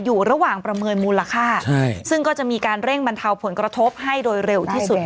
อยู่ระหว่างประเมินมูลค่าซึ่งก็จะมีการเร่งบรรเทาผลกระทบให้โดยเร็วที่สุด